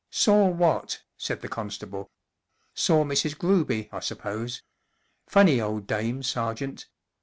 44 Saw what ?" said the constable. 44 Saw Mrs. Groby, I suppose. Funny old dame, ser¬ geant.